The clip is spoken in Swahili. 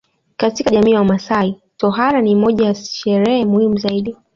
Katika jamii ya wamaasai tohara ni moja ya sherehe muhimu zaidi